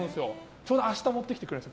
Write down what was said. ちょうど明日持ってきてくれるんです。